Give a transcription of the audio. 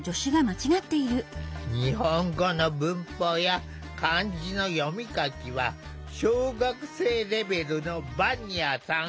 日本語の文法や漢字の読み書きは小学生レベルのヴァニアさん。